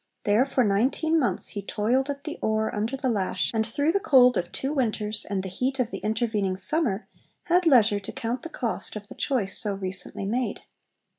There for nineteen months he toiled at the oar under the lash, and through the cold of two winters, and the heat of the intervening summer, had leisure to count the cost of the choice so recently made.